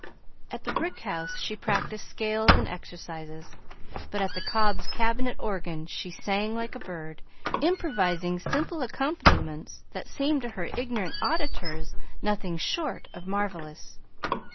At the brick house she practiced scales and exercises, but at the Cobbs' cabinet organ she sang like a bird, improvising simple accompaniments that seemed to her ignorant auditors nothing short of marvelous.